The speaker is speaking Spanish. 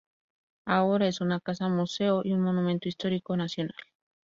Ahora es una casa museo y un Monumento Histórico Nacional.